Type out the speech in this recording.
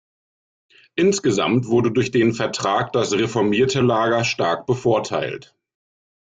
Insgesamt wurde durch den Vertrag das reformierte Lager stark bevorteilt.